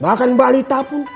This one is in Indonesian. bahkan balita pun